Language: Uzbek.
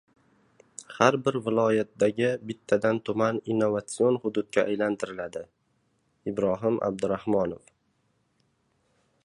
Har bir viloyatdagi bittadan tuman innovasion hududga aylantiriladi – Ibrohim Abdurahmonov